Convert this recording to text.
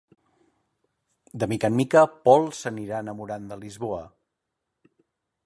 De mica en mica, Paul s'anirà enamorant de Lisboa.